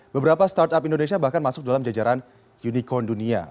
beberapa startup indonesia bahkan masuk dalam jajaran unicorn dunia